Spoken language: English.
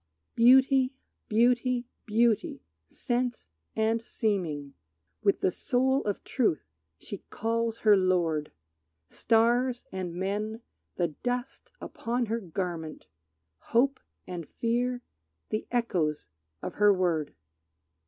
Beauty, beauty, beauty, sense and seeming, With the soul of truth she calls her lord! Stars and men the dust upon her garment; Hope and fear the echoes of her word.